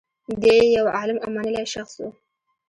دی یو عالم او منلی شخص و